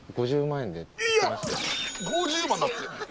５０万だって。